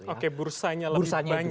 oke bursanya lebih banyak